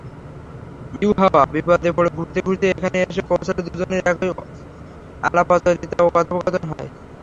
ইউহাওয়া বিপদে পড়ে ঘুরতে ঘুরতে এখানে এসে পৌঁছলে দুজনের এই আলাপচারিতা ও কথোপকথন হয়।